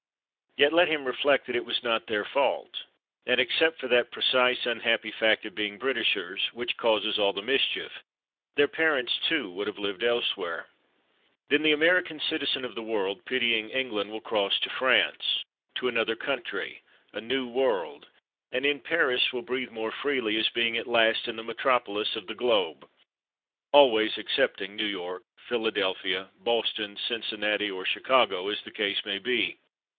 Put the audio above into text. Yet, let him reflect that it was not their fault, and except for that precise unhappy fact of being Britishers, which causes all the mischief, their parents too would have lived elsewhere. Then the American citizen of the world, pitying England, will cross to France, to another country, a new world, and in Paris will breathe more freely as being at last in the metropolis of the globe always excepting New York, Philadelphia, Boston, Cincinnati, or Chicago, as the case may be.